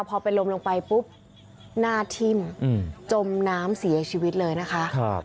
พอเป็นลมลงไปปุ๊บหน้าทิ่มจมน้ำเสียชีวิตเลยนะคะ